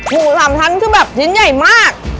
หมู๓ชั้นก็แบบชิ้นใหญ่มาก